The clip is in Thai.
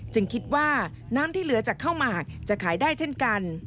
คิดว่าน้ำที่เหลือจากข้าวหมากจะขายได้เช่นกัน